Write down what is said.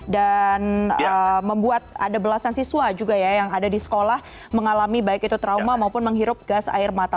dan membuat ada belasan siswa juga ya yang ada di sekolah mengalami baik itu trauma maupun menghirup gas air mata